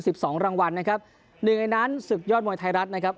สองรางวัลนะครับหนึ่งในนั้นศึกยอดมวยไทยรัฐนะครับ